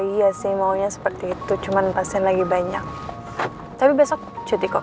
iya sih maunya seperti itu cuman pasien lagi banyak tapi besok cuti kok